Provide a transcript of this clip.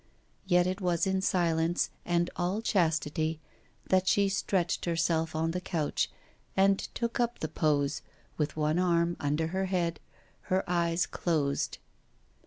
Yet it was in silence and all chastity that she stretched herself on the couch, and took up the pose, with one arm under her head, her eyes closed.